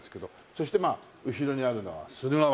そしてまあ後ろにあるのは駿河湾。